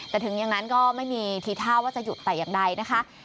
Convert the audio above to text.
แต่ถึงอย่างนั้นก็ไม่มีทีท่าว่าจะหยุดแต่อย่างใดนะคะ